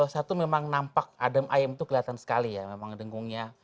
satu memang nampak adem ayem itu kelihatan sekali ya memang dengkungnya